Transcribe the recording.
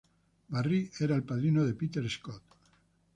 Barrie era el padrino de Peter Scott.